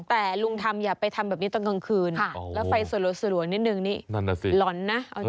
แต่ลุงทำอย่าไปทำแบบนี้ตอนกลางคืนแล้วไฟสวยนิดนึงนี่นั่นน่ะสิหล่อนนะ